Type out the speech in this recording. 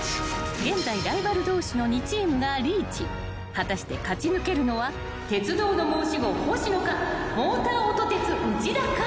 ［果たして勝ち抜けるのは鉄道の申し子星野かモーター音鉄内田か］